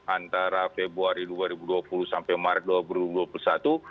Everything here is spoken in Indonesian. antara februari dua ribu dua puluh sampai maret dua ribu dua puluh satu